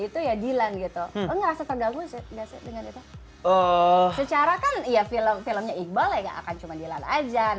itu ya dilan gitu enggak terganggu secara kan iya film filmnya iqbal akan cuma dilan aja